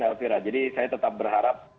elvira jadi saya tetap berharap